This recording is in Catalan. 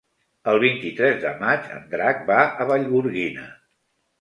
El vint-i-tres de maig en Drac va a Vallgorguina.